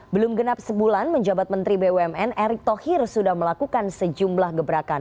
belum genap sebulan menjabat menteri bumn erick thohir sudah melakukan sejumlah gebrakan